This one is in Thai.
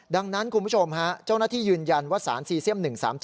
ดังนั้นคุณผู้ชมฮะเจ้าหน้าที่ยืนยันว่าสารซีเซียม๑๓๗